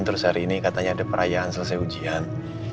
terus hari ini katanya ada perayaan selesai ujian